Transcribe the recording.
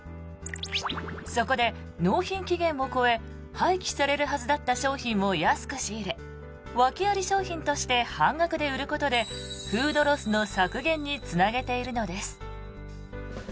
そこで、納品期限を越え廃棄されるはずだった商品を安く仕入れ、訳あり商品として半額で売ることでフードロスの削減につなげているのです。